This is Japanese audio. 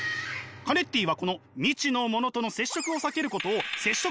カネッティはこの未知のものとの接触を避けることを接触